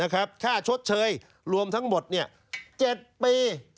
นะครับค่าชดเชยรวมทั้งหมดเนี่ย๗ปี